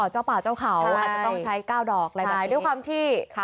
เจ้าป่าเจ้าเขาอาจจะต้องใช้เก้าดอก